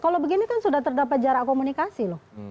kalau begini kan sudah terdapat jarak komunikasi loh